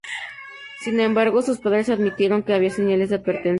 Sin embargo sus padres admitieron que había señales de advertencia.